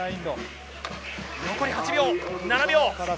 残り８秒、７秒。